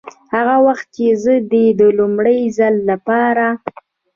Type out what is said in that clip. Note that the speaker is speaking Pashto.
هغه وخت چې زه دې د لومړي ځل دپاره